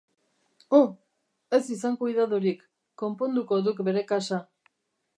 O!, ez izan kuidadorik, konponduko duk bere kasa.